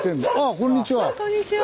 こんにちは。